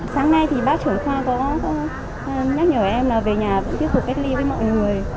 sáng nay thì bác trưởng khoa có nhắc nhở em là về nhà vẫn tiếp tục cách ly với mọi người